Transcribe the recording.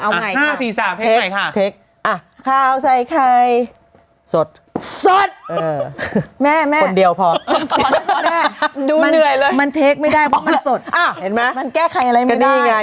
เอาใหม่ค่ะเทคอ่ะขาวใส่ไข่สดสดแม่แม่คนเดียวพอดูเหนื่อยเลย